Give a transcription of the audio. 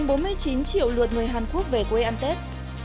bốn mươi chín triệu lượt người hàn quốc về quê ăn tết